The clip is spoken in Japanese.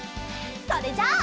それじゃあ。